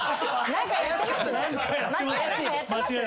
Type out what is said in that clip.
何かやってます？